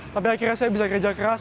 tapi akhirnya saya bisa kerja keras